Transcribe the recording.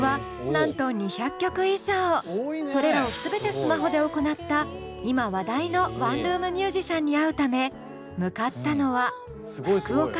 これまでそれらを全てスマホで行った今話題のワンルームミュージシャンに会うため向かったのは福岡。